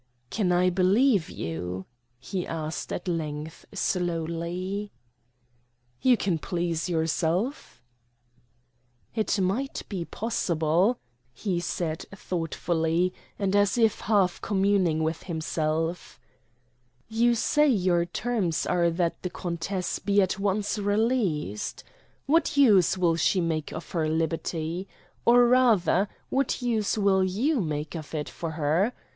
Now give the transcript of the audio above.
"Can I believe you?" he asked at length slowly. "You can please yourself." "It might be possible," he said thoughtfully, and as if half communing with himself. "You say your terms are that the countess be at once released? What use will she make of her liberty? Or rather, what use will you make of it for her?